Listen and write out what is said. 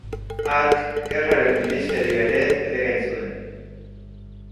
Hark Gerraren Ministerioa ere bere gain zuen.